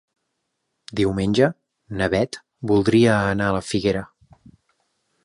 Diumenge na Beth voldria anar a la Figuera.